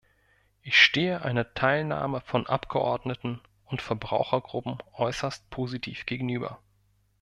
Ich stehe einer Teilnahme von Abgeordneten und Verbrauchergruppen äußerst positiv gegenüber.